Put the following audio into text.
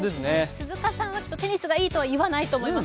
鈴鹿さんはテニスがいいとは言わないと思います。